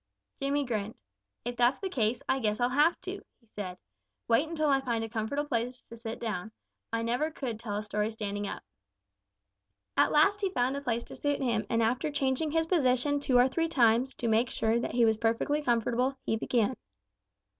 Jimmy grinned. "If that's the case, I guess I'll have to," said he. "Wait until I find a comfortable place to sit down. I never could tell a story standing up." At last he found a place to suit him and after changing his position two or three times to make sure that he was perfectly comfortable, he began.